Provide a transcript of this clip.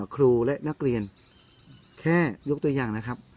ครูและนักเรียนแค่ยกตัวอย่างนะครับ